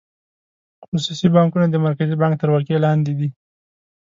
خصوصي بانکونه د مرکزي بانک تر ولکې لاندې دي.